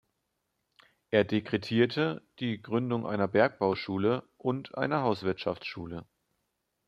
Er dekretierte die Gründung einer Bergbauschule und einer Hauswirtschaftsschule.